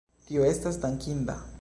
Tio estas dankinda.